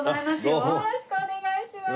よろしくお願いします。